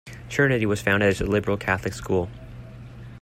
Trinity was founded as a liberal Catholic school.